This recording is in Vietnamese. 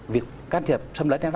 việc can thiệp xâm lấn